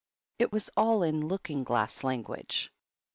It was all in Looking Glass language.